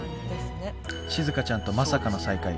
しずかちゃんとまさかの再会。